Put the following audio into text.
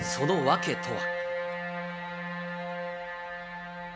その訳とは？